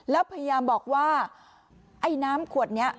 แล้วพยายามบอกว่าไอ้น้ำขวดนี้